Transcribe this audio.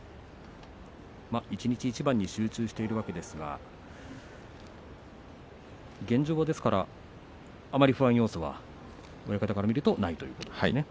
一日一番に集中しているわけですが現状は、ですからあまり不安要素は親方から見るとないということですね。